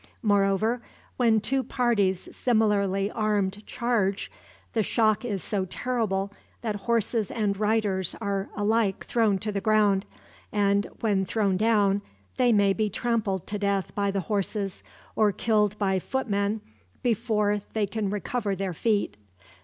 Moreover, when two parties similarly armed charge, the shock is so terrible that horses and riders are alike thrown to the ground, and when thrown down they may be trampled to death by the horses, or killed by footmen before they can recover their feet.